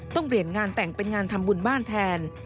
ต้องเปลี่ยนงานแต่งเป็นงานทำบุญบ้านแทน